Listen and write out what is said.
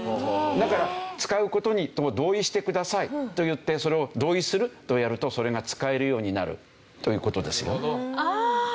だから使う事に同意してくださいと言ってそれを「同意する」とやるとそれが使えるようになるという事ですよ。